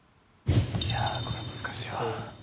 いやこれは難しいわ。